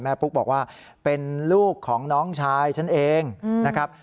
ปุ๊กบอกว่าเป็นลูกของน้องชายฉันเองนะครับ